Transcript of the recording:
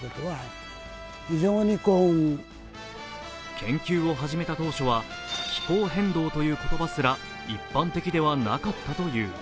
研究を始めた当初は気候変動という言葉すら一般的ではなかったという。